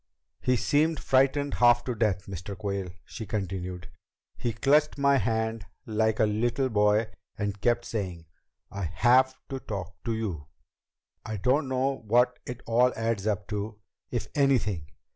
"He seemed frightened half to death, Mr. Quayle," she continued. "He clutched my hand like a little boy and kept saying, 'I have to talk to you.' I don't know what it all adds up to, if anything.